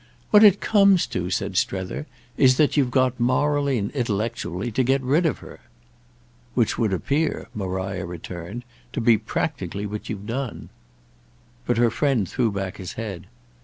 "What it comes to," said Strether, "is that you've got morally and intellectually to get rid of her." "Which would appear," Maria returned, "to be practically what you've done." But her friend threw back his head.